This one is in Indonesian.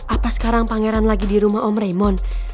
apa sekarang pangeran lagi dirumah om raymond